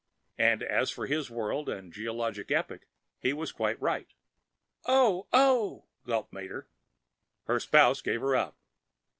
(And, as for his world and geologic epoch, he was quite right.) "Oh, oh," gasped Mater. Her spouse gave her up.